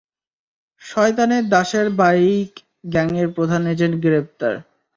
শয়তানের দাসের বাইক গ্যাংয়ের প্রধান এজেন্ট গ্রেফতার।